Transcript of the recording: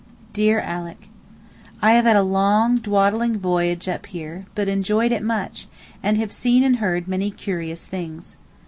DEAR ALICK, I have had a long, dawdling voyage up here, but enjoyed it much, and have seen and heard many curious things.